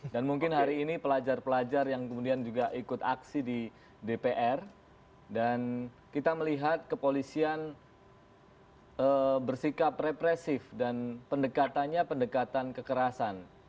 dan mungkin hari ini pelajar pelajar yang kemudian juga ikut aksi di dpr dan kita melihat kepolisian bersikap represif dan pendekatannya pendekatan kekerasan